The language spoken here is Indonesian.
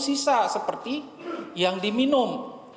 sisa seperti yang diminum